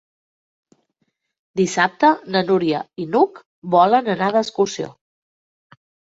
Dissabte na Núria i n'Hug volen anar d'excursió.